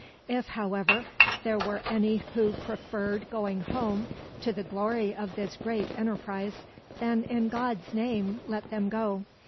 If, however, there were any who preferred going home to the glory of this great enterprise, then in God's Name let them go.